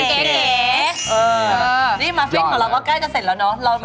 เก๋นี่มาฟิตของเราก็ใกล้จะเสร็จแล้วเนาะ